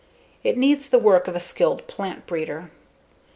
It needs the work of a skilled plant breeder.